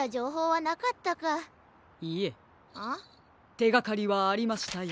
てがかりはありましたよ。